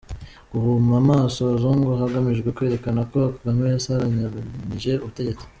Guhuma amaso abazungu hagamijwe kwerekana ko Kagame yasaranganyije ubutegetsi